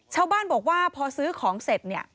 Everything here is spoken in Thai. ชาวบ้านบอกว่าพอซื้อของเสร็จเนี่ย